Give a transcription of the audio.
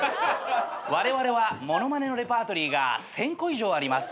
われわれはモノマネのレパートリーが１，０００個以上あります。